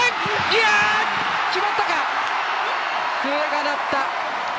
笛が鳴った。